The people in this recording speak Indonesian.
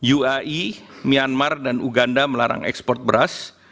uae myanmar dan uganda melarang ekspor beras